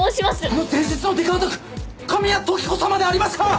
あの伝説のデカオタク神谷時子様でありますか！？